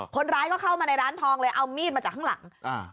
คนร้ายก็เข้ามาในร้านทองเลยเอามีดมาจากข้างหลังอ่า